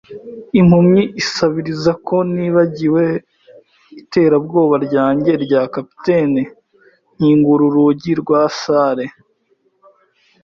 impumyi isabiriza ko nibagiwe iterabwoba ryanjye rya capitaine, nkingura urugi rwa salle,